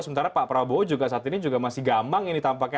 sementara pak prabowo juga saat ini juga masih gamang ini tampaknya